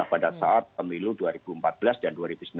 pada saat pemilu dua ribu empat belas dan dua ribu sembilan belas